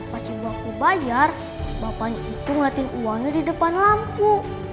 pas ibu aku bayar bapaknya itu ngeliatin uangnya di depan lampu